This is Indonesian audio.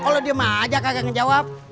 kalau diam aja kagak ngejawab